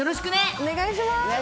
お願いします。